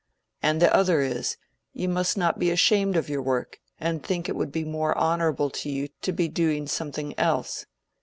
And the other is, you must not be ashamed of your work, and think it would be more honorable to you to be doing something else.